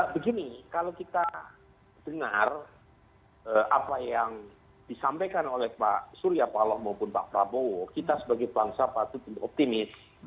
begini kalau kita dengar apa yang disampaikan oleh pak surya paloh maupun pak prabowo kita sebagai bangsa patut optimis